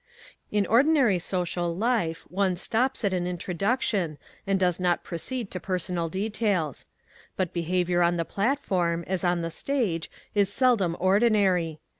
In ordinary social life one stops at an introduction and does not proceed to personal details. But behaviour on the platform, as on the stage, is seldom ordinary.